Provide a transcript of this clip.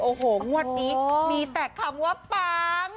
โอ้โหงวดนี้มีแต่คำว่าปัง